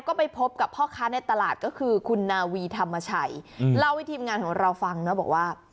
ก็ไปพบกับพ่อค้าในตลาดก็คือคุณนาวีธรรมชัยเล่าให้ทีมงานของเราฟังนะบอกว่า